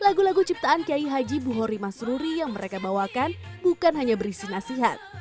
lagu lagu ciptaan kiai haji buhori masruri yang mereka bawakan bukan hanya berisi nasihat